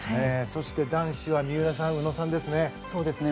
そして男子は三浦さんですね。